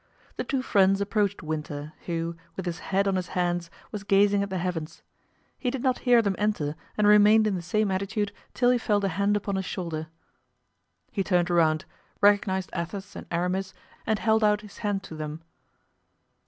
The two friends approached Winter, who, with his head on his hands, was gazing at the heavens; he did not hear them enter and remained in the same attitude till he felt a hand upon his shoulder. He turned around, recognized Athos and Aramis and held out his hand to them.